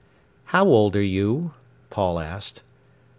"How old are you?" Paul asked.